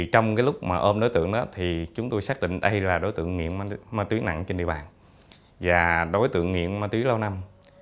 trong lúc ôm đối tượng chúng tôi xác định đây là đối tượng nghiện ma túy nặng trên địa bàn và đối tượng nghiện ma túy lao năm